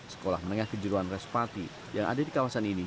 sekolah menengah kejuruan respati yang ada di kawasan ini